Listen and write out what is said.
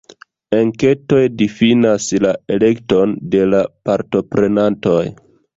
Enketoj difinas la elekton de la partoprenantoj.